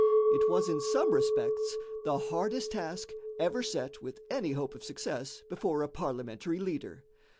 It was in some respects the hardest task ever set with any hope of success before a parliamentary leader.